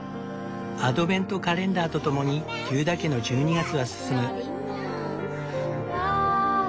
アドベントカレンダーとともにテューダー家の１２月は進む。